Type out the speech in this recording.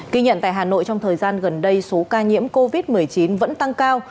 kỳ nhận tại hà nội trong thời gian gần đây số ca nhiễm covid một mươi chín vẫn tăng cao